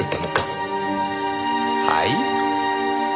はい？